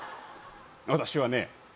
私はね